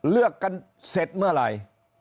เลือกกันเสร็จเมื่อไหร่